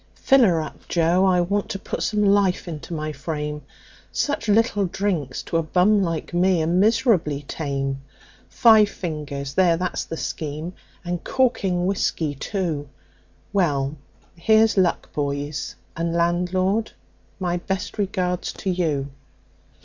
"Fill her up, Joe, I want to put some life into my frame Such little drinks to a bum like me are miserably tame; Five fingers there, that's the scheme and corking whiskey, too. Well, here's luck, boys, and landlord, my best regards to you.